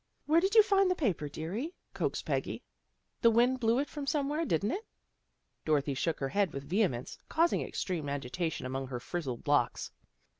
" Where did you find the paper, dearie? " coaxed Peggy. " The wind blew it from some where, didn't it?" Dorothy shook her head with vehemence, causing extreme agitation among her frizzled locks.